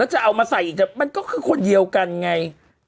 จะเอามาใส่อีกแต่มันก็คือคนเดียวกันไง